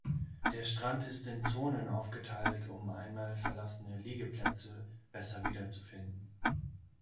Der Strand ist in Zonen aufgeteilt, um einmal verlassene Liegeplätze besser wiederzufinden.